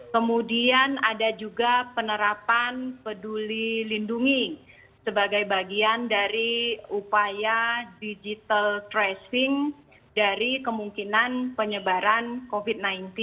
kemudian ada juga penerapan peduli lindungi sebagai bagian dari upaya digital tracing dari kemungkinan penyebaran covid sembilan belas